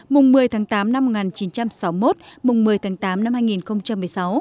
mùng một mươi tháng tám năm một nghìn chín trăm sáu mươi một mùng một mươi tháng tám năm hai nghìn một mươi sáu